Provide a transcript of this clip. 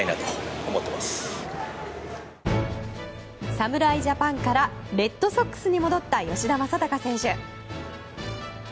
侍ジャパンからレッドソックスに戻った吉田正尚選手。